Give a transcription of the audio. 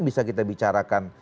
bisa kita bicarakan